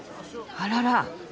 あらら。